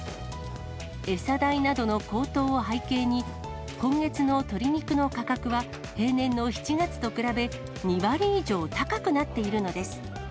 餌代などの高騰を背景に、今月の鶏肉の価格は、平年の７月と比べ、２割以上高くなっているのです。